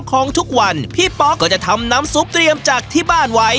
ของทุกวันพี่ป๊อกก็จะทำน้ำซุปเตรียมจากที่บ้านไว้